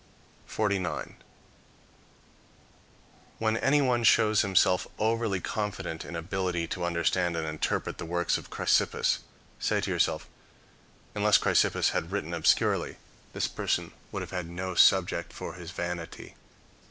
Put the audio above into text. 49. When anyone shows himself overly confident in ability to understand and interpret the works of Chrysippus, say to yourself, " Unless Chrysippus had written obscurely, this person would have had no subject for his vanity.